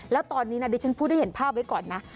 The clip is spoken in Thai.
แล้วตอนนี้นะดิฉันพูดให้เห็นภาพไว้ก่อนนะ